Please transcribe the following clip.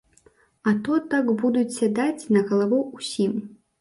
А то, так будуць сядаць на галаву ўсім!